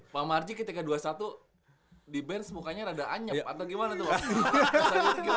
pak marji ketika dua satu di bench mukanya agak anyap atau bagaimana tuh pak